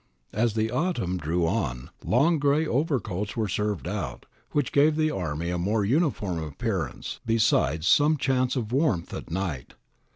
As the autumn drew on, long grey overcoats were served out, which gave the army a more uniform appearance, besides some chance of warmth at night.